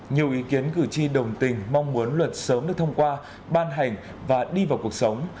nhiều ý kiến cử tri đồng tình mong muốn luật sớm được thông qua ban hành và đi vào cuộc sống